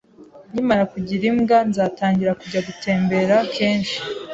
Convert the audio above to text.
Nkimara kugira imbwa, nzatangira kujya gutembera kenshi.